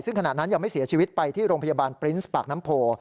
ซึ่งขณะนั้นยังไม่เสียชีวิตไปที่โรงพยาบาลปรินส์ปากน้ำโพ